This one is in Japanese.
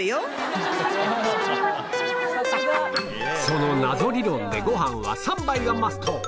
その謎理論でご飯は３杯がマスト